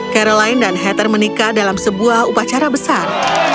caroline dan heather menikah dalam sebuah upacara besar